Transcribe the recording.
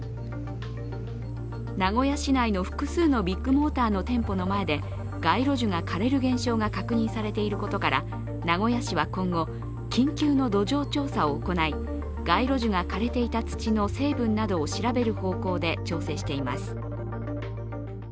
名古屋市内の複数のビッグモーターの店舗の前で街路樹が枯れる現象が確認されていることから名古屋市は今後、緊急の土壌調査を行い、街路樹が枯れていた土の成分などを調べる方向で調整しています。